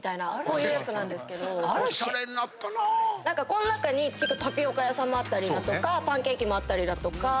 この中にタピオカ屋さんもあったりパンケーキもあったりだとか。